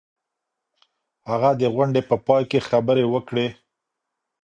هغه د غونډې په پای کي خبري وکړې.